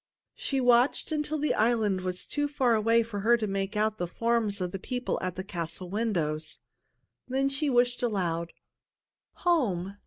She watched until the island was too far away for her to make out the forms of the people at the castle windows. Then she wished aloud, "Home!